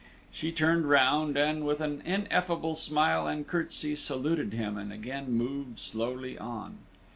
She turned round, and, with an ineffable smile and curtsy, saluted him, and again moved slowly on.